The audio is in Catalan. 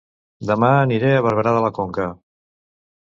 Dema aniré a Barberà de la Conca